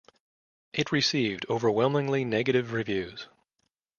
It received overwhelmingly negative reviews.